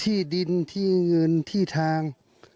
ที่ดินที่เงินที่ทาง